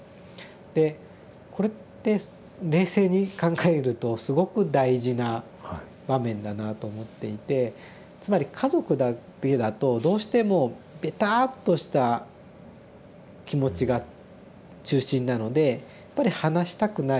でこれって冷静に考えるとすごく大事な場面だなと思っていてつまり家族だけだとどうしてもべたっとした気持ちが中心なのでやっぱり離したくない。